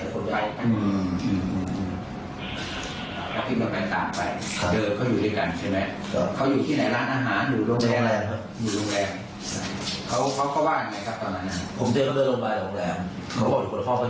กลับเข้าบ้านค่ะตอนนั้น